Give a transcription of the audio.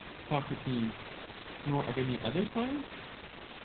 Soc, Nor of any other science